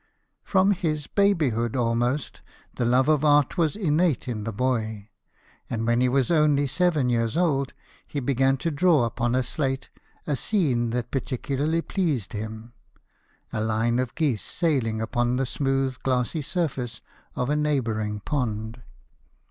From his babyhood, almost, the love of art was innate in the boy ; and when he was only seven years old, he began to draw upon a slate a scene that particularly pleased him a line of geese sailing upon the smooth glassy surface of a neighbouring pond.